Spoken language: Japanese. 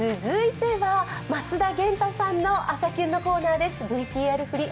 続いては松田元太さんの「朝キュン」のコーナーです。